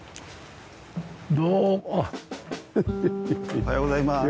おはようございます。